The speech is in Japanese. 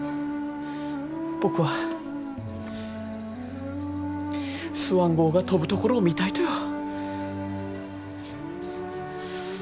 僕はスワン号が飛ぶところを見たいとよ。